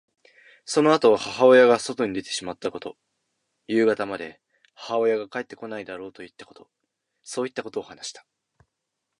そのあと母親が外に出てしまったこと、夕方まで母親が帰ってこないだろうといったこと、そういったことを話した。